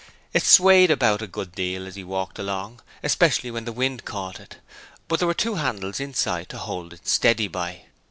It swayed about a good deal as he walked along, especially when the wind caught it, but there were two handles inside to hold it steady by.